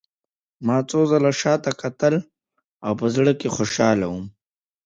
ما څو ځله شا ته کتل او په زړه کې خوشحاله وم